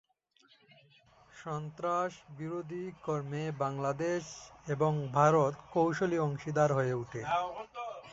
সন্ত্রাস বিরোধী কর্মে বাংলাদেশ এবং ভারত কৌশলী অংশীদার হয়ে উঠে।